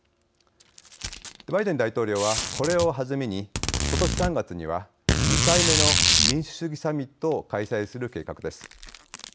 バイデン大統領はこれを弾みに今年３月には２回目の民主主義サミットを開催する計画です。